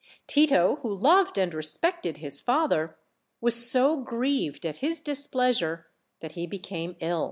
Tito, who loved and respected his father, was so grieved At his displeasure that he became ill.